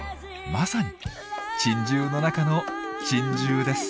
まさに珍獣の中の珍獣です。